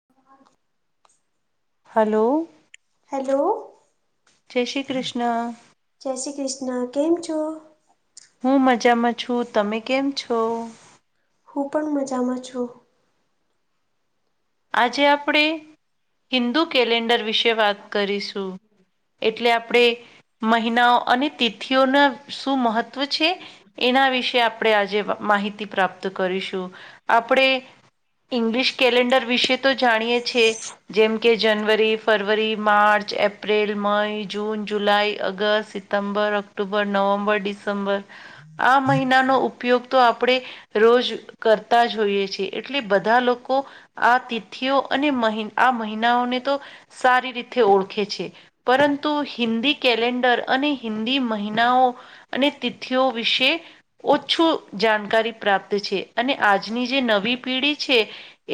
The hello hello જય શ્રી કૃષ્ણ જય શ્રી કૃષ્ણ કેમ છો. હુ મજામાં છુ, તમે કેમ છો. હુ પણ મજામાં છુ. આજે આપણે હિન્દુ કેલેન્ડર વિશે વાત કરીશું એટલે આપણેે મહિનાઓ અને તિથિઓના શું મહત્ત્વ છે. એના વિશે આપણે આજે માહિતી પ્રાપ્ત કરીશું આપણે ઇંગ્લિશ કેલેન્ડર વિશે તો જાણીએ છ છે. જેમ કે જનવરી ફરવરી માર્ચ એપ્રિલ મઇ જૂન જુલાઈ અગસ્ટત સપ્ટમ્બર ઓક્ટોબર નવેમ્બર ડિસેમ્બર આ મહિનાનો ઉપયોગ તો આપણે રોજ કરતા જ હોઈએ છે એટલે બધા લોકો આ તિથિઓ અને આ મહિનાઓને તો સારી રીતે ઓળખે છે. પરંતુ હિન્દી કેલેન્ડર અને હિન્દી મહિનાઓ અને તિથિઓ વિશે ઓછું જાણકારી પ્રાપ્ત છે, અને આજની જે નવી પેઢી છે.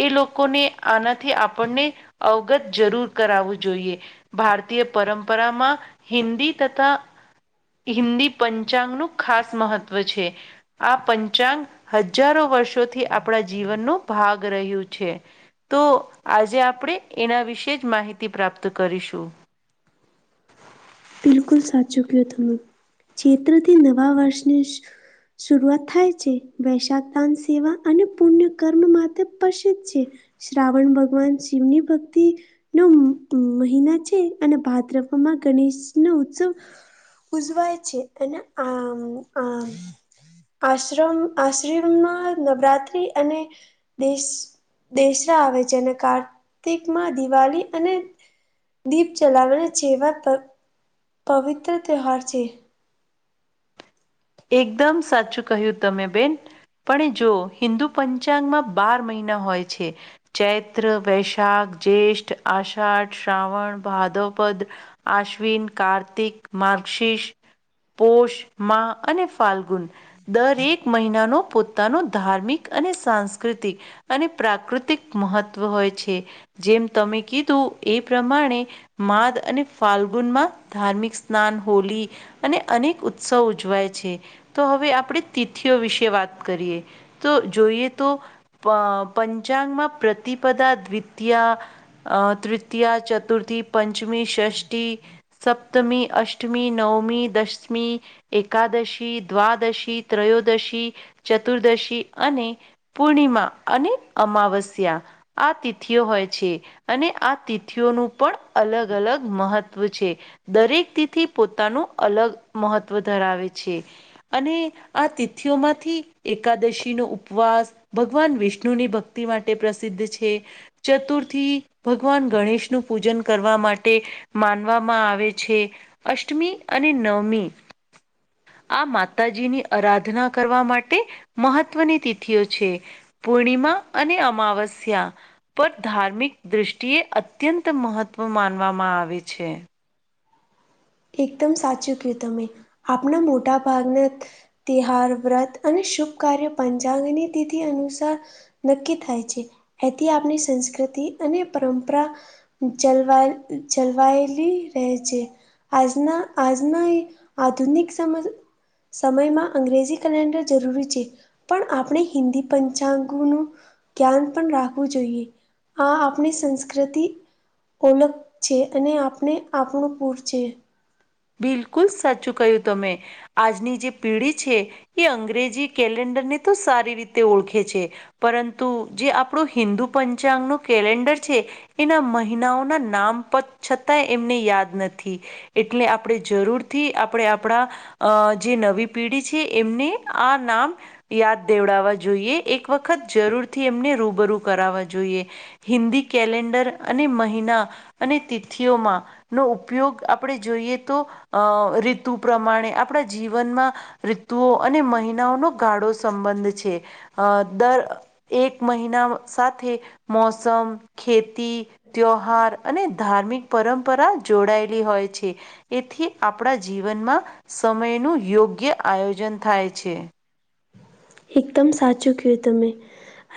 એ લોકોને આનાથી આપણને અવગત જરૂર કરાવું જોઈએ. ભારતીય પરંપરામાં હિન્દી તથા હિન્દી પંચાંગનું ખાસ મહત્વ છે, આ પંચાંગ હજારો વર્ષોથી આપણા જીવનનો ભાગ રહ્યુ છે. તો આજે આપણે એના વિશે જ માહિતી પ્રાપ્ત કરીશુ બિલકુલ સાચું કયો તમે ચત્રથી નવા વર્ષની શરૂઆત થાય છે વૈશા તાન સેવા અને પુણ્ય કર્મ માટે પ્રસિદ્ધ છે. શ્રાવણ ભગવાન શિવની ભક્તિ. નો મહિના છે અને ભાદ્રમાં ગણેશ નો ઉત્સવ ઉજવાય છે અને આ આ આશ્રમ આશ્રમમાં નવરાત્રિ અને દ દેેશરા આવે જેને કાર્તિકમાં દિવાળી અને દીપ જલાવને જેવા પવિત્ર તહેવાાર છે. એકદમ સાચું કહ્યું તમે બેન. પણ જો હિન્દુ પંચાંગમાં બાર મહિના હોય છે. ચૈત્ર વૈશાખ જેષ્ઠ આષાઢ શ્રાવણ ભાદવપદ્ર અશ્વિન કાર્તિક માક્ષીશ પોષ મા અને ફાલ્ગુન દરેક મહિના નો પોતાનો ધાર્મિક અને સાંસ્કૃતિક અને પ્રાકૃતિક મહત્વ હોય છે જેમ તમે કીધું એ પ્રમાણે. માદ અને ફલ્ગુનમાં ધાર્મિક સ્નાન હોલી અને અનેક ઉત્સવ ઉજવાય. તો હવે આપણે તિથિઓ વિશે વાત કરીએ, તો જોઈએ તો. પ પંચાંગમાં પ્રતિપદા દ્વિતયા અ તૃતીયા, ચતુર્થી, પંચમી, ષષ્ઠી. સપ્તમી, અષ્ટમી, નવમી, દસમી. એકાદશી, દ્વાદશી, ત્રયોદશી, ચતુર્દશી અને પૂર્ણિમા અને અમાવસ્યા આ તિથિઓ હોય છે. અને આ તિથિઓનું પણ અલગ અલગ મહત્વ છે. દરેક તીથી પોતાનું અલગ મહત્વ ધરાવે છે. અને આ તિથિઓમાંથી એકાદશીનો ઉપવાસ ભગવાન વિષ્ણુની ભક્તિ માટે પ્રસિદ્ધ છે. ચતુર્થી ભગવાન ગણેશનું પૂજન કરવા માટે. માનવામાં આવે છે. અષ્ટમી અને નવમી. આ માતાજીની આરાધના કરવા માટે મહત્વની તિથિઓ છે. પૂર્ણિમા અને અમાવસ્યા. પર ધાર્મિક દૃષ્ટિએ અત્યંત મહત્વ માનવામાં આવે છે. એકદમ સાચું કયું તમે. આપણા મોટા ભાગના તિહાર, વ્રત અને શુભ કાર્ય પંચાંગની તિથિ અનુસાર નક્કી થાય છે. એથી આપણી સંસ્કૃતિ અને પરંપરા જલવાઈ જલવાયલી રહે છે. આજના આજના એ આધુનિક સમજ સમયમાં અંગ્રેજી કલેન્ડર જરૂરી છે. પણ આપણે હિન્દી પંચાંગોનું જ્ઞાન પણ રાખવું જોઈએ. આ આપણી સંસ્કૃતિ ઓલગ છે અને આપણે આપણું પૂર છે. બિલકુલ સાચું ક્યું તમે. આજની જે પેઢી છે એ અંગ્રેજી કેલેન્ડરને તો સારી રીતે ઓળખે છે. પરંતુ જે આપણું હિન્દુ પંચાંગનું કેલેન્ડર છે. એના મહિનાઓના નામ પદ છતાંય એમને યાદ નથી. એટ એટલે આપણે જરૂરથી આપણે આપણા અ જે નવી પેઢી છે એમને આ નામ યાદ દેવડાવવા જોઈએ. એક વખત જરૂરથી એમને રૂબરૂ કરાવવા જોઈએ. હિન્દી કેલેન્ડર અને મહિના અને તિથિઓમાં નો ઉપયોગ આપણે જોઈએ તો અ ઋતુ પ્રમાણે આપણા જીવનમાં ઋતુઓ અને મહિનાઓનો ગાળો સંબંધ છે. અ દર એક મહિના સાથે મોસમ ખેતી. ત્યોહાર અને ધાર્મિક પરંપરા જોડાયેલી હોય છે. એથી આપણા જીવનમાં સમયનું યોગ્ય આયોજન થાય છે. એકદમ સાચું ક્યું તમે.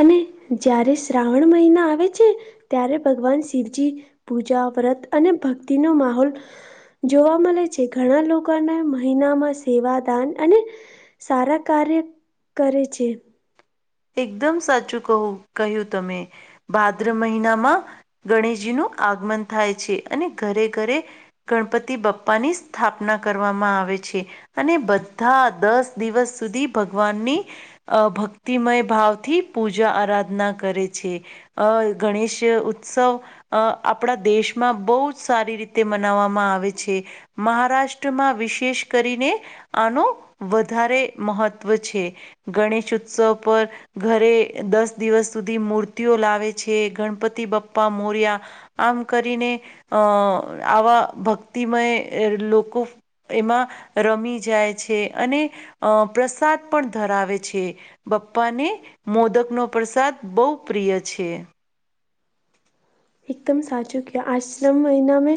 અને જ્યારે શ્રાવણ મહિના આવે છે, ત્યારે ભગવાન શિવજી. પૂજા વ્રત અને ભક્તિ નો માહોલ જોવા મળે છે ઘણા લોકોના મહિનામાં સેવાદાન અને સારા કાર્ય કરે છે. એકદમ સાચું કહું કહ્યું તમે. ભાદ્ર મહિનામાં ગણેશજીનું આગમન થાય છે અને ઘરે-ઘરે ગણપતિ બપ્પાની સ્થાપના કરવામાં આવે છે. અને બધા દસ દિવસ સુધી ભગવાનની અ ભક્ ભક્તિમય ભાવથી પૂજા આરાધના કરે છે. અ ગણેશ ઉત્સવ અ આપણા દેશમાં બહુ જ સારી રીતે મનાવવામાં આવે છે. મહારાષ્ટ્રમાં વિશેષ કરીને આનું વધારે મહત્વ છે. ગણેશ ઉત્સવ પર ઘરે દસ દિવસ સુધી મૂર્તિઓ લાવે છે ગણપતિ બાપ્પા મોર્યા આમ કરીને અ આવા ભક્તિમય લોકો એમાં રમી જાય છે અને અ પ્રસાદ પણ ધરાવે છે. બપ્પાને મોદકનો પ્રસાદ બહુ પ્રિય છે. એકદમ સાચું ક આશ્રમ મહિના મે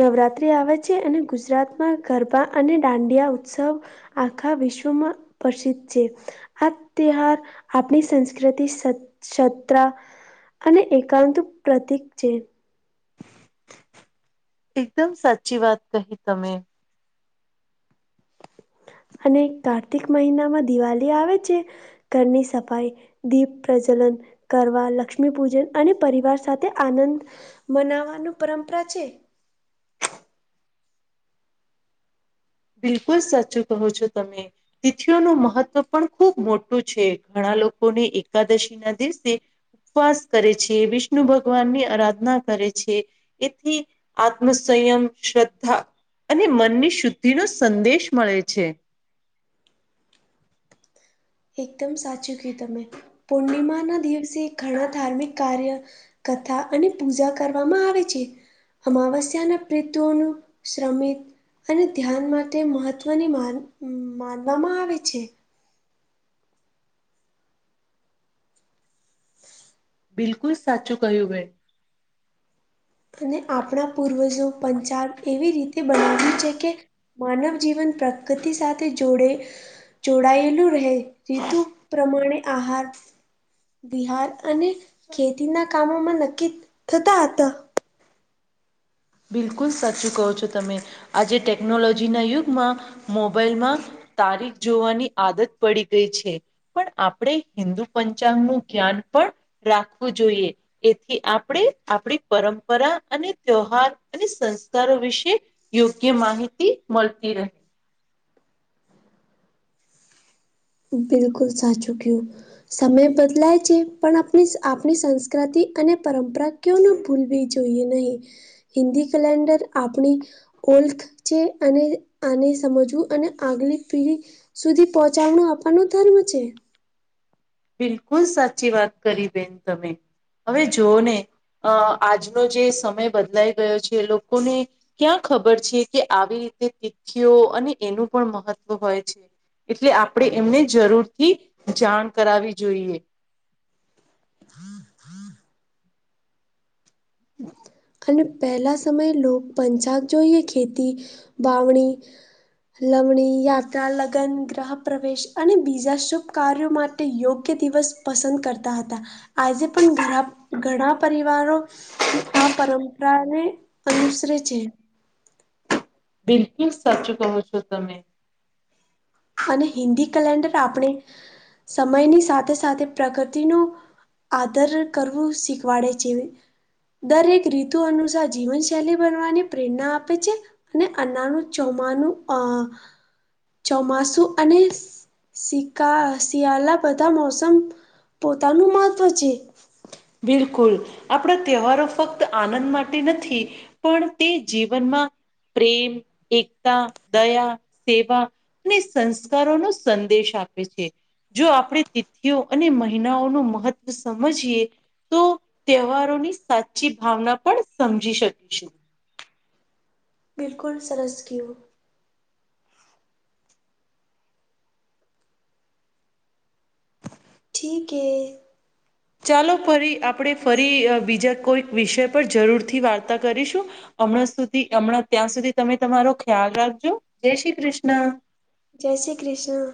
નવરાત્રિ આવે છે અને ગુજરાતમાં ગરબા અને દાંડિયા ઉત્સવ આખા વિશ્વમાં પ્રસિદ્ધ છે. આ તિહાર આપણી સંસ્કૃતિ સતા અને એકાંત પ્રતીક છે. એકદમ સાચી વાત કહી તમે. અને કાર્તિક મહિનામાં દિવાળી આવે છે. કરની સફાઈ દીપ પ્રજવલન, કરવા લક્ષ્મી પૂજન અને પરિવાર સાથે આનંદ મનાવાનું પરંપરા છે. બિલકુલ સાચું કહો છો તમે. તિથિઓનું મહત્વ પણ ખૂબ મોટું છે ઘણા લોકોને એકાદશી ના દિવસે ઉપવાસ કરે છે વિષ્ણુ ભગવાન ની આરાધના કરે છે. એથી આત્મસયમ શ્રદ્ધા અને મનની શુદ્ધ નો સંદેશ મળે છે. એકદમ સાચું કયું તમે પૂર્ણિમાના દિવસે ઘણા ધાર્મિક કાર્ય, કથા અને પૂજા કરવામાં આવે છે. અમાવસ્યાના પ્રીતિઓનું શ્રમિત અને ધ્યાન માટે મહત્ત્વની માન માનવામાં આવે છે. બિલકુલ સાચું કહ્યું બેન. અને આપણા પૂર્વજો પંચાબ એવી રીતે બનાવ્યું છે કે માનવ જીવન પ્રકૃતિ સાથે જોડે જોડાયેલું રહે. રીતુ પ્રમાણે આહાર બિહાર અને ખેતીના કામોમાં નક્કી થતા હતા. બિલકુલ સાચું કહો છો તમે આજે ટેકનોલોજીના યુગમાં મોબાઈલમાં તારીખ જોવાની આદત પડી ગઈ છે. પણ આપણે હિન્દુ પંચાંગનું જ્ઞાન પણ રાખવું જોઈએ એથી આપણે આપડી પરંપરા અને ત્યહાર અને સંસ્કારો વિશે યોગ્ય માહિતી મળતી રહે. બિલકુ સાચક યુ સમય બદલાય છે, પણ આપણી આપણી સંસ્કૃતિ અને પરંપરા ભૂલવી જોઈએ નહી હિન્દી કેલેન્ડર આપણી ઓલ્ખ છે અને આને સમજવું અને આગલી પીઢી સુધી પહોંચાડું આપવાનું ધર્મ છે. બિલકુલ સાચી વાત કરી બેન તમે હવે જોઓ ને અ આજનો જે સમય બદલાઈ ગયો છે, લોકોને ક્યાં ખબર છે, કે આવી રીતે તિથિઓ અને એનું પણ મહત્વ હોય છે. એટલે આપણે એમને જરૂરથી જાણ કરવી જોઈએ. હા થા હમ્મ અને પહેલા સમયે લોકો પંચાાગ જોઈએ ખેતી વાવણી લમણી યાત્રા લગ્ન ગ્રહ પ્રવેશ અને બીજા શુભ કાર્યો માટે તે યોગ્ય દિવસ પસંદ કરતા હતા. આજે પણ ઘરા ઘણા પરિવારો આ પરંપરાને અનુસરે છે. બિલકુલ સાચ કહો છો, તમે અને હિન્દી કેલેન્ડર આપણે સમયની સાથે સાથે પ્રકતિનુ આદર કરવું શીખવાડે છે. દરેક રીતુ અનુસાર જીવનશૈલી બનવાની પ્રેરણા આપે છે. અને અનાનુ ચોમાનુ અ ચોમાસું અને સિકા શિયાળા બધા મોસમ પોતાનું મહત્ત્વ છે. બિલકુલ આપણા તહેવારો ફક્ત આનંદ માટે નથી. પણ તે જીવનમાં પ્રેમ એકતા દયા સેવા ને સંસ્કારો નો સંદેશ આપે છે. જો આપણે તિથિઓ અને મહિનાઓનું મહત્ત્વ સમજીએ તો તહેવારોની સાચી ભાવના પણ સમજી શકીશુ બિલકુલ સરસ કુ ઠીક એ ચાલો ફરી આપણે ફરી બીજા કોઈક વિષય પર જરૂરથી વાર્તા કરીશુ હમણાં સુધી હમણાં ત્યાં સુધી તમે તમારો ખ્યાલ રાખજો જય શ્રી કૃષ્ણ જય શ્રી કૃષ્ણ